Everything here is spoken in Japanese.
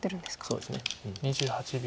そうですね。